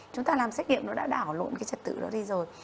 chúng ta làm xét nghiệm nó đã đảo lộn cái trật tự đó đi rồi